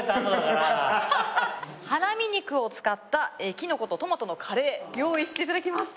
ハラミ肉を使ったキノコとトマトのカレー用意していただきました。